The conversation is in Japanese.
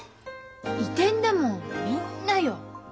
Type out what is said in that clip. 移転だもんみんなよ。